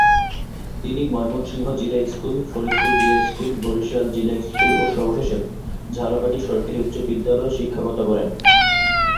তিনি Mymensingh Zilla school, Faridpur Zilla school, Barishal জিলা স্কুলে ও সর্বশেষ ঝালকাঠি সরকারী উচ্চ বিদ্যালয়ে শিক্ষকতা করেন।